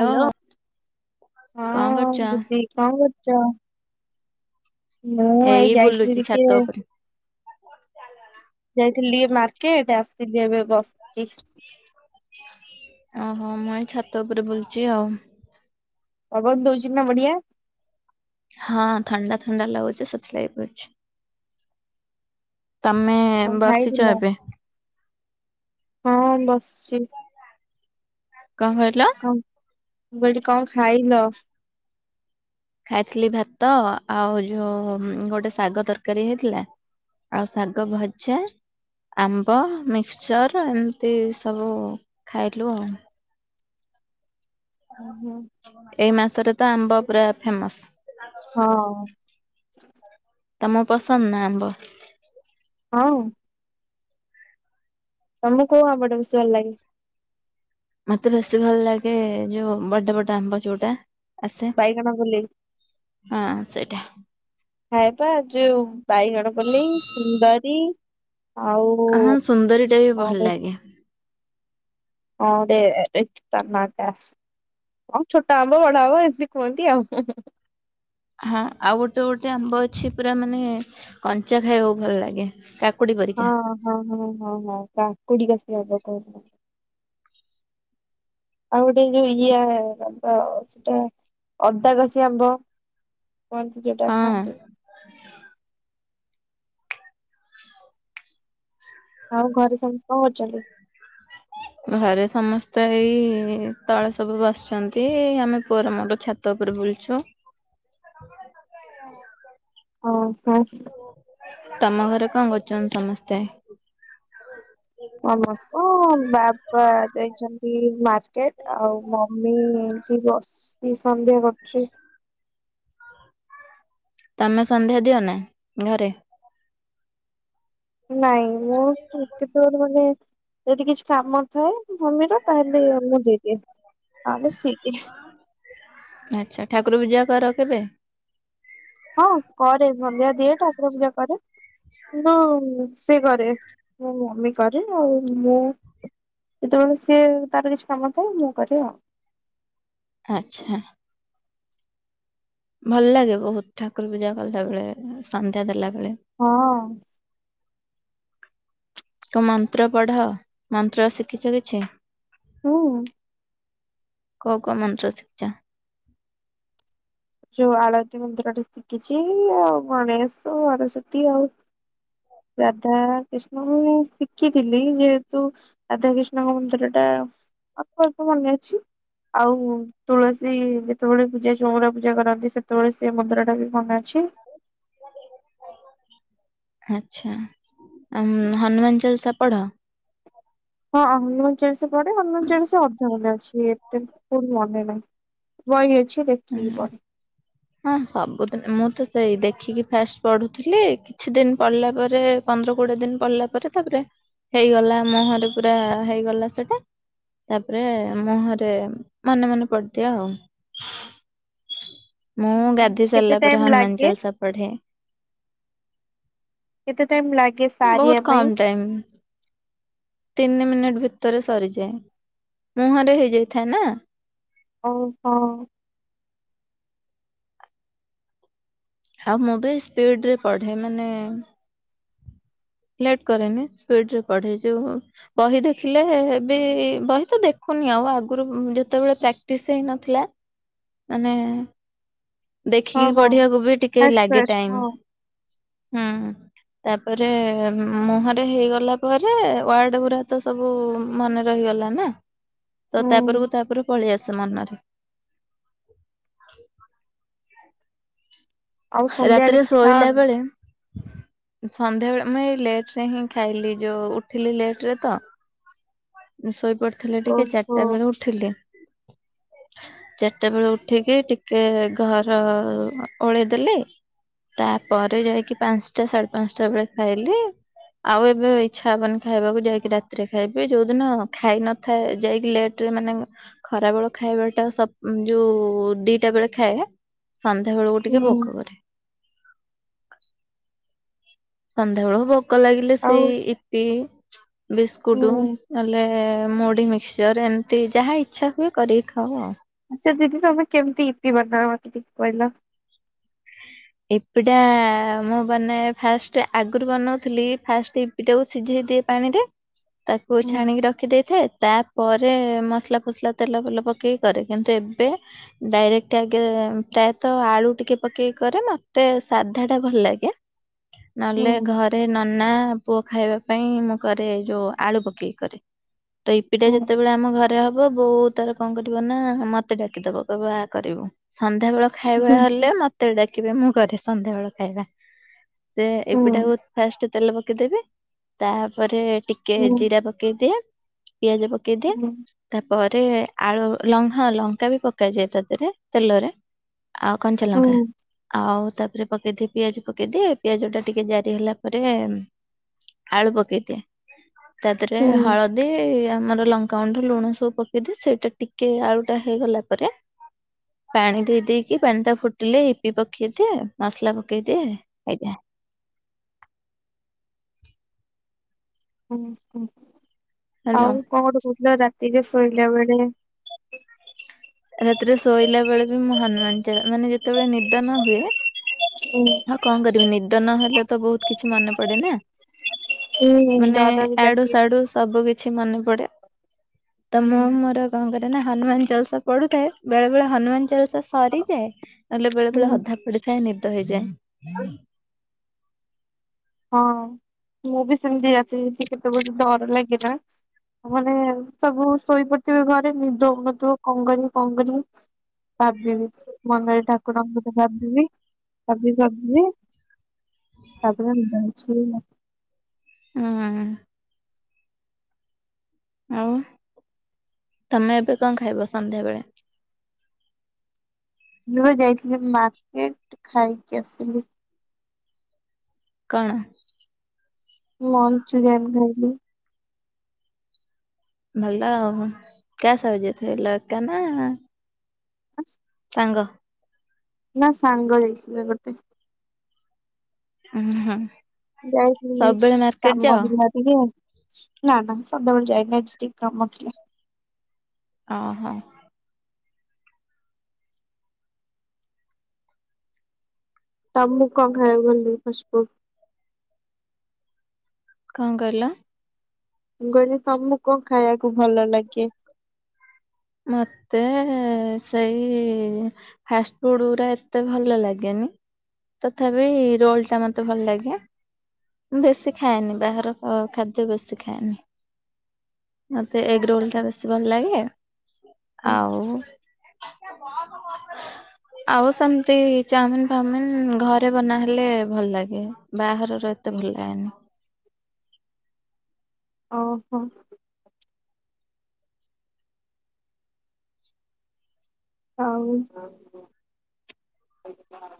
Hello ହଁ କଣ କରୁଛ? ଦିଦି କଣ କରୁଚ? ମୁଁ ଏଇ ବୁଲୁଛି ଯାଇଥିଲି ଛାତ ଟିକେ ଉପରେ। ଯାଇଥିଲି ଟିକେ ମାର୍କେଟ୍ ଆସିଲି ଏବେ ବସିଚି। ଓହୋ ମୁଁ ଏଇ ଛାତ ଉପରେ ବୁଲୁଚି ଆଉ। ପବନ ଦଉଚି ନା ବଢିଆ? ହଁ ଥଣ୍ଡା ଥଣ୍ଡା ଲାଗୁଚି ସେଥିଲାଗି ବଇଚି। ତମେ କଣ ବସିଛ ଖାଇଥିଲ ଏବେ ହଁ ବସଚି। କଣ ଖାଇଥିଲ? ମୁଁ କହିଲି କଣ ଖାଇଲ? ଖାଇଥିଲି ଭାତ ଆଉ ଯୋଉ ଗୋଟେ ଶାଗ ତରକାରୀ ହେଇଥିଲା। ଆଉ ଶାଗ ଭଜା ଆମ୍ବ ମିକ୍ସଚର୍ ଏମିତି ସବୁ ଖାଇଲୁ ଆଉ। ଓହୋ। ଏଇ ମାସରେ ତ ଆମ୍ବ ପୁରା ଫେମସ୍। ହଁ। ତମ ପସନ୍ଦ୍ ନା ଆମ୍ବ? ହଁ। ତମକୁ କୋଉ ଆମ୍ବଟା ବେସି ଭଲଲାଗେ? ମତେ ବେସି ଭଲଲାଗେ ଯୋଉ ବଡବଡ ଆମ୍ବ ଯୋଉଟା। ଆସେ ବାଇଗଣପଲେଇ ହଁ ସେଇଟା। ଖାଏତ ଯୋଉ ବାଇଗଣପଲେଇ ସୁନ୍ଦରୀ ଆଉ ହଁ ସୁନ୍ଦରୀଟା ବି କଣ ଭଲଲାଗେ। ହଁ ଗୋଟେ ଏ ତା ନାଁ ଟା। ହଁ ଛୋଟ ଆମ୍ବ ବଡ ଆମ୍ବ ଏମିତି କୁହନ୍ତି ଆଉ ହୁଁ ହୁଁ ହୁଁ। ହଁ ଆଉ ଗୋଟେ ଗୋଟେ ଆମ୍ବ ଅଛି ପୁରା ମାନେ କଞ୍ଚା ଖାଇବାକୁ ଭଲ ଲାଗେ କା କୁଡ଼ି ପରିକା ହଁ-ହଁ-ହଁ-ହଁ କାକୁଡି କସି ଆମ୍ବ କୁହନ୍ତି। ଆଉ ଗୋଟେ ଯୋଉ ଇଏ କଣ ତ ସେଟା ଅଦାକଷି ଆମ୍ବ। କୁହନ୍ତି ଯୋଉଟା ହଁ। ଖାଆନ୍ତି। ଆଉ ଘରେ ସମସ୍ତେ କଣ କରୁଚନ୍ତି? ଘରେ ସମସ୍ତେ ଏଇ ତଳେ ସବୁ ବସିଛନ୍ତି, ଆମେ ପୁଅର ମୋର ଛା ତ ଉପରେ ବୁଲୁଚୁ। ଓହୋ। ତମ ଘରେ କଣ କରୁଚନ୍ତି ସମସ୍ତେ? ମମସ୍କା ବାବା ଯାଇଛନ୍ତି ମାର୍କେଟ୍ ଆଉ ମମି ଏଠି ବସିକି ସନ୍ଧ୍ୟା କରୁଚି। ତମେ ସନ୍ଧ୍ୟା ଦିଅନା ଘରେ? ନାଇଁ ମୁଁ କେତେବେଳେ ରେ ମାନେ ଯଦି କିଛି କାମ ଥାଏ ମମିର ତାହେଲେ ମୁଁ ଦେଇଦିଏ, ନହେଲେ ସିଏ। ଆଚ୍ଛା ଠାକୁର ପୂଜା କର କେବେ? ହଁ କରେ ସଂଧ୍ୟା ଦିଏ ଠାକୁର ପୂଜା କରେ। କିନ୍ତୁ ରୋଷେଇ କରେ ମୋ ମମି କରେ ଆଉ ମୁଁ ଯେତେବେଳେ ସିଏ ତାର କିଛି କାମ ଥାଏ ମୁଁ କରେ ଆଉ। ଆଚ୍ଛା। ଭଲ ଲାଗେ ବହୁତ ଠାକୁର ପୂଜା କଲା ବେଳେ ସନ୍ଧ୍ୟା ଦେଲା ବେଳେ। ହଁ। ତୁ ମନ୍ତ୍ର ପଢ ମନ୍ତ୍ର ଶିଖିଛ କିଛି। ହୁଁ। କୋଉ କୋଉ ମନ୍ତ୍ର ଶିଖିଚ? ଯୋଉ ଆଳତୀ ମନ୍ତ୍ର ଟେ ଶିଖିଚି ଆଉ ଗଣେଶ ସରସ୍ଵତୀ ଆଉ ରାଧା କୃଷ୍ଣ ମୁଁ ଶିଖିଥିଲି ଯେହେତୁ ରାଧାକୃିଷ୍ଣଙ୍କ ମନ୍ତ୍ର ଟା ଅଳ୍ପ ଅଳ୍ପ ମନେ ଅଛି। ଆଉ ତୁଳସୀ ଯେତେବେଳେ ପୂଜା ଚଉରା ପୂଜା କରନ୍ତି ସେତେବେଳେ ସେ ମନ୍ତ୍ର ଟା ବି ମନେ ଅଛି। [inaudible] ଆଚ୍ଛା ଆ ହନୁମାନ ଚାଳିଶା ପଢ। ହଁ ହନୁମାନ ଚାଳିଶା ପଢେ ହନୁମାନ ଚାଳିଶା ଅନ୍ଧେ ମନେ ଅଛି ଏତେ ମୋର ମନେ ନାହିଁ ବହି ଅଛି ଦେ ହୁଁ। ହଁ ସବୁଦିନ ମୁଁ ତ ସେଇ ଦେଖିକି ଫାଷ୍ଟେ ପଢୁଥିଲି କିଛି ଦିନ ପଢିଲା ପରେ ପନ୍ଦର କୋଡ଼ିଏ ଦିନ ପଡ଼ିଲା ପରେ ତାପରେ ହେଇଗଲା ମୁହଁରେ ପୁରା ହେଇଗଲା ସେଟା। ତାପରେ ମୁହଁରେ ମନେ ମନେ ପଡ଼ିଦିଏ ଆଉ। ମୁଁ ହୁଁ ଗାଧେଇ କେତେ ସାରିଲା ପରେ ଟାଇମ ହନୁମାନ ଲାଗେ ଚାଳିସା ପଢ଼େ। କେତେ ଟାଇମ ଲାଗେ ସାରିବା ବହୁତ ପାଇଁ? କମ୍ ଟାଇମ୍। ତିନି ମିନିଟ୍ ଭିତରେ ସରିଯାଏ ମୁହଁରେ ହେଇଯାଇଥାଏ ନା। ଅଉ ହଁ। ଆଉ ମୁଁ ବି ସ୍ପିଡ୍ ରେ ପଢ଼େ ମାନେ ଲେଟ୍ କରେନି ସ୍ପିଡ୍ ରେ ପଢେ ଯୋଉ ବହି ଦେଖିଲେ ବି ବହି ତ ଦେଖୁନି ଆଉ ଆଗରୁ ଯେତେବେଳେ ପ୍ରାକ୍ଟିସ୍ ହେଇନଥିଲା। ଆାନେ ଦେଖିକି ହଁ ହଁ ପଢିବାକୁ ବି ଟିକେ ଫାଷ୍ଟ ଲାଗେ ଫାଷ୍ଟ ଟାଇମ୍ ହଁ ହୁଁ। ତାପରେ ମୁହଁରେ ହେଇଗଲା ପରେ ୱାର୍ଡ଼ ଗୁରା ତ ସବୁ ମନେ ରହିଗଲା ନା ତ ହୁଁ ତାପରକୁ ତାପରୁ ପଳେଇ ଆସେ ମନରେ। ଆଉ ସନ୍ଧ୍ୟାବେଳେ ରାତିରେ କିଛି ଶୋଇଲା ଖାଅନି? ବେଳେ ସନ୍ଧ୍ୟାବେଳେ ମୁ ଏଇଁ ଲେଟ୍ ରେ ହିଁ ଖାଇଲି ଯୋଉ ଉଠିଲି ଲେଟ୍ ରେ ତ। ସୋଇ ପଡିଥିଲି ଟିକେ ଓହୋ ଚାରିଟା ବେଳୁ ଉଠିଲି। ଚାରିଟା ବେଳୁ ଉଠିକି ଟିକେ ଘର ଓଳେଇଦେଲି। ତାପରେ ଯାଇକି ପାଞ୍ଚଟା ସାଢେ ପାଞ୍ଚଟା ବେଳେ ଖାଇଲି। ଆଉ ଏବେ ଇଚ୍ଛା ହବନି ଖାଇବାକୁ ଯାଇକି ରାତିରେ ଖାଇବି ଯୋଉଦିନ ଖାଇ ନ ଥାଏ ଯାଇକି ଲେଟ୍ ରେ ମାନେ ଖରା ବେଳ ଖାଇବା ଟା ସ ଯୋଉ ଦିଟା ବେଳେ ଖାଏ। ସନ୍ଧ୍ୟା ବେଳକୁ ଟିକେ ହୁଁ ଭୋକ କରେ। ସନ୍ଧ୍ୟା ବେଳକୁ ଭୋକ ଲାଗିଲେ ଆଉ ସେଇ ଇପି ବିସ୍କୁଟ ହୁଁ ନହେଲେ ଏ ମୁଢି ମିକ୍ସଚର ଏମିତି ଯାହା ଇଚ୍ଛା ହୁଏ କରିକି ଖାଉ ଆଉ। ଆଚ୍ଛା ଦିଦି ତମେ କେମିତି ଇପି ବନାଅ ମତେ ଟିକେ କହିଲ। ଇପିଟା ମୁଁ ବନେ ଫାଷ୍ଟ ଆଗରୁ ବନଉଥିଲି ଫାଷ୍ଟ୍ ଇପି ଇପିଟାକୁ ସିଝେଇ ଦିଏ ପାଣିରେ। [inaudible] ତାକୁ ହୁଁ ଛାଣିକି ରଖିଦେଇଥାଏ ତା ପରେ ମସଲା ଫସଲା ତେଲ ଫେଲ ପକେଇକି କରେ କିନ୍ତୁ ଏବେ ଡାଇରେକ୍ଟ ଆଗେ ପ୍ରାୟତଃ ଆଳୁ ଟିକେ ପକେଇ କରେ ନା ମତେ ସାଧା ଟା ଭଲ ଲାଗେ ହୁଁ ନହଲେ ଘରେ ନା। ନା ପୁଅ ଖାଇବା ପାଇଁ ମୁଁ କରେ ଯୋଉ ଆଳୁ ପକେଇି କରେ। ତ ଇପିଟା ହୁଁ ଯେତେବେଳେ ଆମ ଘରେ। ତା ହେବ ବୋଉ ତାର କଣ କରିବ ନା ମତେ ଡାକିଦବ କହିବ ଆ କରିବୁ। ସନ୍ଧ୍ୟା ବେଳ ଖାଇବା ହୁଁ ହେଲେ ମତେ ଡାକିବେ ମୁଁ କରେ ସନ୍ଧ୍ୟା ବେଳ ଖାଇବା। ସେ ହୁଁ ଇପିଟା କୁ ଫାଷ୍ଟ ତେଲ ପକେଇଦେବେ ତାପରେ ଟି ଟିକେ ହୁଁ ଜିରା ପକେଇଦିଏ ପିଆଜ ପକେଇଦିଏ। ହୁଁ ତାପରେ ଆଳୁ ଲ ହଁ ଲଙ୍କା ବି ପକାଯାଏ ତା ତିରେ ତେଲରେ। ଆଉ କଞ୍ଚା ହୁଁ ଲଙ୍କା। ଆଉ ତାତିରେ ପକେଇଦି ପିଆଜ ପକେଇଦିଏ ପିଆଜ ଟା ଟିକେ ଜାରି ହେଲା ପରେ ଆଳୁ ପକେଇଦିଏ ତାପରେ ହୁଁ ହଳଦୀ। ଦେ ଆମର ଲଙ୍କା ଗୁଣ୍ଡ ଲୁଣ ସବୁ ପକେଇଦେ ସେଇଟା ଟିକେ ଆଳୁଟା ହେଇଗଲା ପରେ ପାଣି ଦେଇ ଦେଇକି ପାଣି ଟା ଫୁଟିଲେ ପକେଇଦିଏ ମସଲା ପକେଇଦିଏ ଏହି ଯା। ଆଉ ହ୍ୟାଲୋ କଣ ଗୋଟେ କହୁଥିଲ ରାତିରେ ଶୋଇଲା ବେଳେ। ରାତିରେ ଶୋଇଲା ବେଳେ ବି ମୁଁ ହନୁମାନ ଚା ମାନେ ଯେତେବେଳେ ନିଦ ନ ହୁଏ। ହୁଁ। ଆଉ କଣ କରିବି ନିଦ ନହେଲେ ତ ବହୁତ କିଛି ମନେ ପଡ଼େ ନା। ହୁଁ ହୁଁ ମାନେ ଡର ବି ଏଆଡୁ ଲାଗେ। ସିଆଡୁ ସବୁ କି ଛି ମନେ ପଡେ ତ ମୁଁ ହୁଁ ମୋର କଣ କରେ ନା ହନୁମାନ ଚାଲିଶ୍। ପଢ଼ୁଥାଏ ବେଳେ ବେଳେ ହନୁମାନ ଚାଳିଶା ସରିଯାଏ ନହେଲେ ବେଳେ ବେଳେ ଅଧା ପଢ଼ିଥାଏ ନିଦ ହେଇଯାଏ। ଅଂ। ହଁ ମୁଁ ବି ସେମତି ରାତି ଉଠିକି କେତେ ପର୍ଯ ଡର ଲାଗେ ନା। ମାନେ ସବୁ ଶୋଇପଡ଼ିଥିବେ ଘରେ ନିଦ ହେଉନଥିବ କଣ କରିବି କଣ କରିବି। ଭାବିବି ମନରେ ଠାକୁରଙ୍କ କଥା ଭାବିବି ଭାବି ଭାବିବି। କେଇଆଣି ଜାଣିଛି [unintelligible] ହୁଁ। ଆଉ ତମେ ଏବେ କଣ ଖାଇବ ସନ୍ଧ୍ୟାବେଳେ? ମୁଁ ବା ଯାଇଥିଲି ମାର୍କେଟ୍ ଖାଇକି ଆସିଲି। କଣ? ମୁଁ ମଞ୍ଚୁରିଆନ୍ ଖାଇଲି। ଭଲ ଆଉ କା ସ‌ହିତ ଯାଇ ଥିଲ ଏକା ନା ଆ ସାଙ୍ଗ। ନାଁ ସାଙ୍ଗ ଯାଇଥିଲା ଗୋଟେ। ଉଁ ହୁଁ। ଯାଇଥିଲି ସବୁବେଳେ ମାର୍କେଟ କାମ ଯାଅ ଥିଲା। [unintelligible] ନା ନା ମୁଁ ସଦାବେଳେ ଯାଏନି ଆଜି ଟିକେ କାମ ଥିଲା। ଅ ହଁ। ତମକୁ କଣ ଖାଇବାକୁ ଭଲଲାଗେ ଫାଷ୍ଟଫୁଡ୍? କଣ କହିଲ? ମୁଁ କହିଲି ତମକୁ କଣ ଖାଇବାକୁ ଭଲ ଲାଗେ? ମତେ ସେଇ ଫାଷ୍ଟଫୁଡରା ଏତେ ଭଲ ଲାଗେନି। ତଥାପି ରୋଲ୍ ଟା ମତେ ଭଲ ଲାଗେ। ମୁଁ ବେଶୀ ଖାଏନି ବାହାର ଖ-ଖାଦ୍ୟ ବେଶୀ ଖାଏନି। ମତେ ଏଗ୍ ରୋଲ୍ ଟା ବେଶୀ ଭଲ ଲାଗେ। ଆଉ ଆଉ ସେମିତି ଚାଓମିିନ୍ ଫାଓମିିନ୍ ଘରେ ବନା ହେଲେ ଭଲ ଲାଗେ। ବାହାରର ଏତେ ଭଲ ଲାଗେନି। ଓହୋ। ଆଉ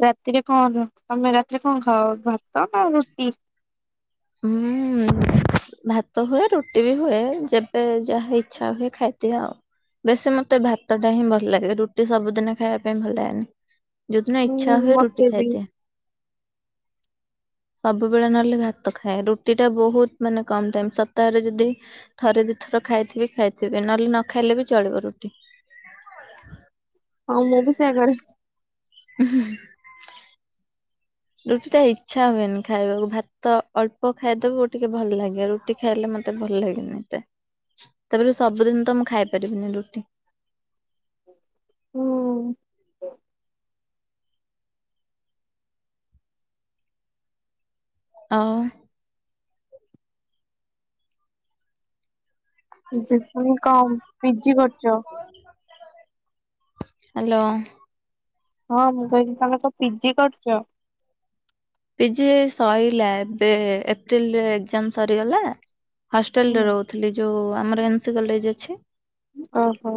ରାତିରେ କଣ ଖାଅ। ତମେ ରାତିରେ କଣ ଖାଅ ଭାତ ନା ରୁଟି? ହୁଁ। ଭାତ ହୁଏ ରୁଟି ବି ହୁଏ ଯେବେ ଯାହା ଇଚ୍ଛା ହୁଏ ଖାଇଦିଏ ଆଉ। ବେଶୀ ମତେ ଭାତ ଟା ହିଁ ଭଲ ଲାଗେ। ରୁଟି ସବୁଦିନ ଖାଇବା ପାଇଁ ଭଲ ଲାଗେନି। ଯୋଉଦିନ ଇଚ୍ଛା ହୁଁ ହୁଏ ରୁଟି ମତେ ବି ଖାଇଦିଏ ସବୁବେଳେ ନହେଲେ ଭା ତ ଖାଏ ରୁଟି ଟା ବୋହୁତ ମାନେ କମ ଟାଇମ୍ ସପ୍ତାହରେ ଯଦି ଥରେ ଦିଇ ଥର ଖାଇଥିବି ଖାଇଥିବି ନହେଲେ ନ ଖାଇଲେ ବି ଚଳିବ ରୁଟି। ହଁ ମୁଁ ବି ସେୟା କରେ। ଉଁ ହୁଁ ହୁଁ। ରୁଟିଟା ଇଚ୍ଛା ହୁଏନି ଖାଇବାକୁ ଭାତ ଅଳ୍ପ ଖାଇଦୋବୁ ଟିକେ ଭଲ ଲାଗିବ। ରୁ ଟି ଖାଇଲେ ମତେ ଭଲ ଲାଗେନି ଏତେ ତାପରେ ବି ସବୁଦିନ ତ ମୁଁ ଖାଇପାରିବିନି ରୁଟି। ହୁଁ। ଆଉ [unintelligible] କଣ ପିଜି କରୁଚ? ହାଲୋ। ହଁ ମୁଁ କହିଲି ତମେ ତ ପିଜି କରୁଚ। ପିଜି ଏ ସଇଲା ଏବେ ଏପ୍ରିଲରେ ଏକଜାମ୍ ସରିଗଲା ହଷ୍ଟେଲରେ ହୁଁ ରହୁ ଥିଲି ଯୋଉ ଆମର ଏନସି କଲେଜ ଅଛି। ଅ ହ।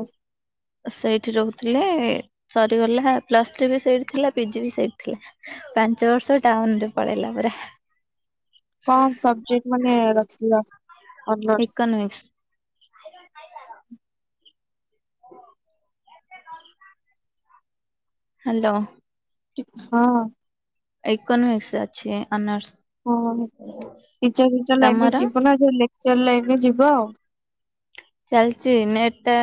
ସେଇଠି ରହୁଥିଲେ ଏ ସରିଗଲା ପ୍ଲସ ଥ୍ରୀ ବି ସେଇଠି ଥିଲା ପିଜି ବି ସେଇଠି ଥିଲା ପାଞ୍ଚ ବର୍ଷ। ଟାଉନରେ ପଳେଇଲା ପୁରା। ଟା କଣ ସବଜେକ୍ଟ ମାନେ ରଖିଥିଲ? ଅନର୍ସ? ଇକନମିକ୍ସ। ହ। ହ୍ୟାଲୋ। ଚିପ୍ସ ହଁ। ଇକୋନମିକ୍ସ ଅଛି ଅନର୍ସ। ହଁ ଟିଚର ଫିଚର ଲାଇନରେ ତମର? ଯିବ ନା ଯୋଉ ଲେକ୍ଚର ଲାଇନରେ ଯିବ ଆଉ? ଚାଲିଚି ନେଟ୍ ଟା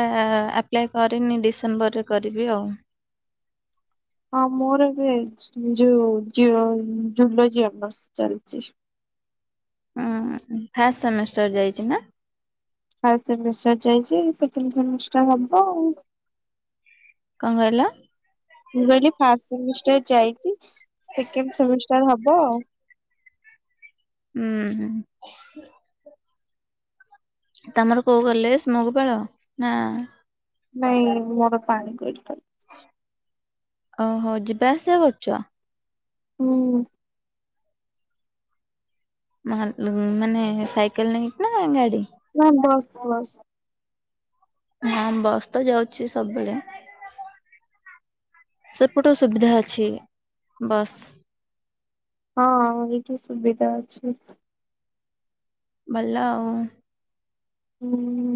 ଆପ୍ଲାଏ କରିନି ଡିସେମ୍ବରରେ କରିବି ଆଉ। ହଁ ମୋର ବି ଏ ଯୋଉ ଜ୍ୟ ଜୁଲୋଜି ଅନର୍ସ ଚାଲିଚି। ହଁ ଫାଷ୍ଟ ସେମିଷ୍ଟର ଯାଇଛି ନା? ଫାଷ୍ଟ ସେମିଷ୍ଟାର ଯାଇଛି ସେକେଣ୍ଡ ସେମିଷ୍ଟାର ହବ ଆଉ। କଣ କହିଲ? ମୁଁ କହିଲି ଫାଷ୍ଟ ସେମିଷ୍ଟାର ଯାଇଛି ସେକେଣ୍ଡ ସେମିଷ୍ଟାର ହବ ଆଉ। ହୁଁ ହୁଁ। ତମର କୋଉ କଲେଜ ମହୁପାଳ? ନା ନାଇଁ ମୋର ପାଣିକୋଇଲି ଟା। ଅ ହୋ ଯିବା ଆସିଆ କରୁଛ? ହୁଁ। ମାନ ଉଁ ମାନେ ସାଇକେଲ ନେଇକି ନା ଗାଡି? ନାହିଁ ବସ୍ ବସ୍। ହଁ ବସ୍ ତ ଯାଉଛି ସବୁବେଳେ। ସେପଟୁ ସୁବିଧା ଅଛି ବସ୍। ହଁ ଏଇଠୁ ସୁବିଧା ଅଛି। ଭଲ ଆଉ। ହୁଁ।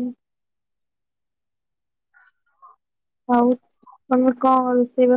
ହଉ ତମର କଣ ରୋଷେଇ ବା